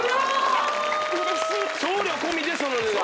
送料込みでその値段？